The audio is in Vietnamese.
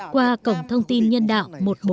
qua cổng thông tin nhân đạo một nghìn bốn trăm linh